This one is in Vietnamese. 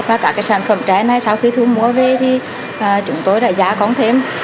và các sản phẩm trái này sau khi thu mua về thì chúng tôi đã giá cống thêm